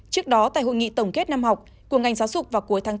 trước đó tại hội nghị tổng kết năm học của ngành giáo dục vào cuối tháng bốn